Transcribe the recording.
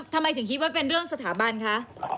ทำไมถึงคิดว่าเป็นเรื่องสถาบันคะ